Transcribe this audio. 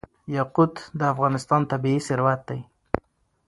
یاقوت د افغانستان طبعي ثروت دی.